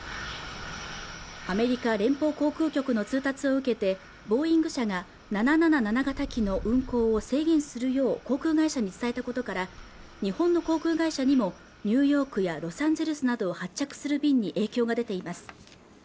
アメリカ連邦航空局の通達を受けてボーイング社が７７７型機の運航を制限するよう航空会社に伝えたことから日本の航空会社にもニューヨークやロサンゼルスなどを発着する便に影響が出ています